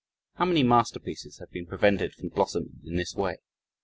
How many masterpieces have been prevented from blossoming in this way?